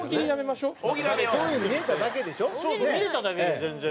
見えただけで全然。